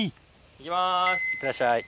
いってらっしゃい。